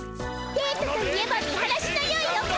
デートといえば見晴らしのよいおか！